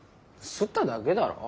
擦っただけだろ？